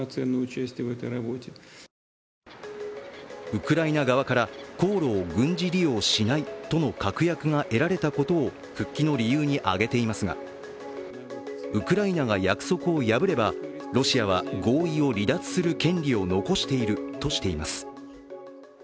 ウクライナ側から航路を軍事利用しないとの確約が得られたことを復帰の理由に挙げていますがウクライナが約束を敗ればロシアは合意を離脱する権利を残しているとしています。